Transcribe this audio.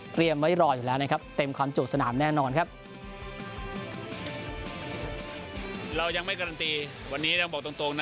ไว้รออยู่แล้วนะครับเต็มความจุสนามแน่นอนครับ